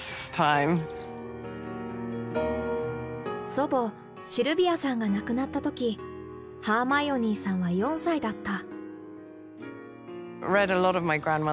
祖母シルビアさんが亡くなった時ハーマイオニーさんは４歳だった。